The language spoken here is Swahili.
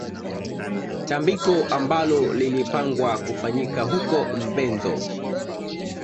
Tambiko ambalo lilipangwa kufanyika huko Mvezo